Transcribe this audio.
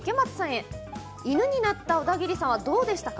「犬になったオダギリさんはどうでしたか？